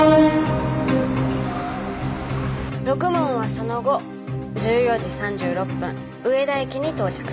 ろくもんはその後１４時３６分上田駅に到着。